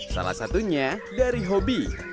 salah satunya dari hobi